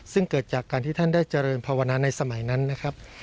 ซึ่งเกิดจากการที่ท่านได้เจริญภาวนาในสมัยนั้นนะครับ